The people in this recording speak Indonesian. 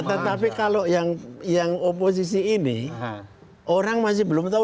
tetapi kalau yang oposisi ini orang masih belum tahu